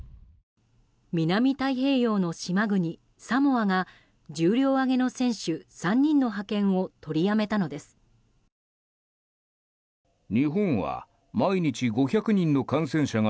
南太平洋の島国、サモアが重量挙げの選手３人の派遣を取りやめたのです。